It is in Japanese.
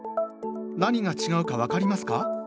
何が違うか分かりますか？